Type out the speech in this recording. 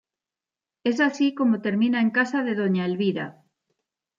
Es así como termina en casa de doña Elvira.